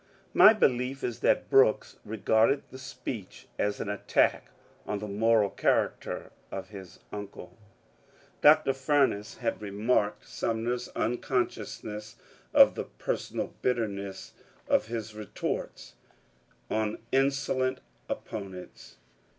My belief is that Brooks regarded the speech as an attack on the moral character of his uncle. Dr. Fumess had remarked Sumner's unconsciousness of the personal bitterness of his retorts on insolent opponents.